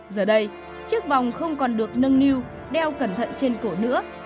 giờ đây chiếc vòng không còn được nâng niu đeo cẩn thận trên cổ nữa